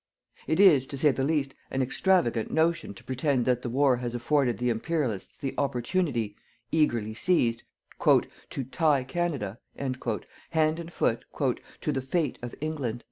It is, to say the least, an extravagant notion to pretend that the war has afforded the Imperialists the opportunity eagerly seized "to tie Canada" hand and foot, "to the fate of England."